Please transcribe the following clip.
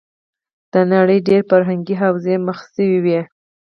د نړۍ ډېری فرهنګې حوزې مخ شوې وې.